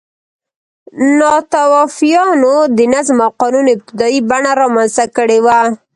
ناتوفیانو د نظم او قانون ابتدايي بڼه رامنځته کړې وه